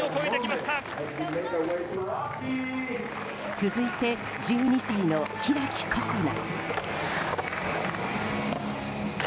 続いて１２歳の開心那。